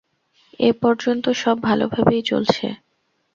এ পর্যন্ত সব ভালভাবেই চলছে।